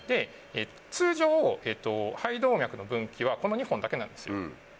通常肺動脈の分岐はこの２本だけなんですよ。